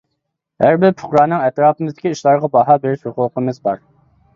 ھەر بىر پۇقرانىڭ ئەتراپىمىزدىكى ئىشلارغا باھا بېرىش ھوقۇقىمىز بار.